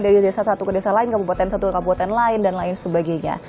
dari desa satu ke desa lain kabupaten satu kabupaten lain dan lain sebagainya